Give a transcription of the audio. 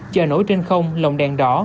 chợ nổi trên không lồng đèn đỏ